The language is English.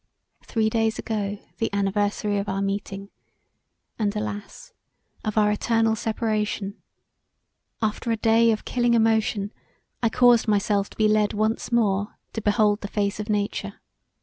Three days ago, the anniversary of our meeting; and, alas! of our eternal seperation, after a day of killing emotion, I caused myself to be led once more to behold the face of nature.